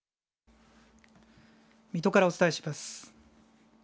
水戸からお伝えします。